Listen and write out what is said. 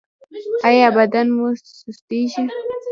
ایا بدن مو سستیږي؟